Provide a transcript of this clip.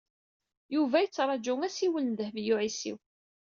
Yuba a yettraǧu asiwel n Dehbiya u Ɛisiw.